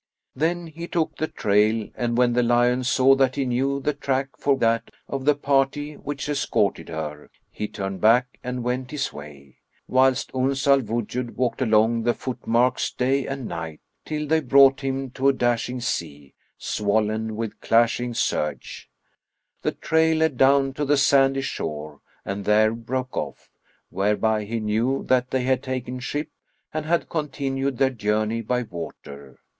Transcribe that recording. Then he took the trail and, when the lion saw that he knew the track for that of the party which escorted her, he turned back and went his way; whilst Uns al Wujud walked along the foot marks day and night, till they brought him to a dashing sea, swollen with clashing surge. The trail led down to the sandy shore and there broke off; whereby he knew that they had taken ship and had continued their journey by water.